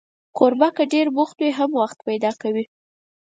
کوربه که ډېر بوخت وي، هم وخت پیدا کوي.